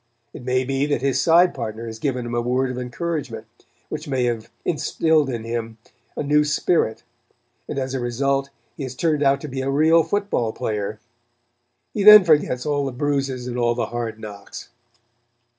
It may be that his side partner has given him a word of encouragement, which may have instilled into him a new spirit, and, as a result, he has turned out to be a real football player. He then forgets all the bruises and all the hard knocks.